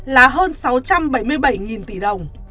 là hơn sáu trăm bảy mươi bảy tỷ đồng